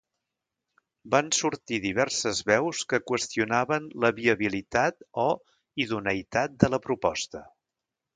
Van sortir diverses veus que qüestionaven la viabilitat o idoneïtat de la proposta.